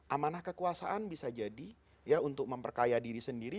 amanah kekuasaan bisa jadi ya untuk memperkaya diri sendiri